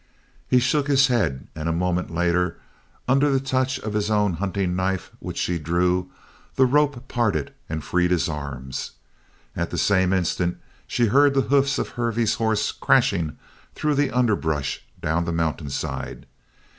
He shook his head and a moment later, under the touch of his own hunting knife which she drew, the rope parted and freed his arms. At the same instant she heard the hoofs of Hervey's horse crashing through the underbrush down the mountain side.